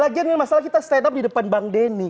lagian ini masalah kita stand up di depan bang denny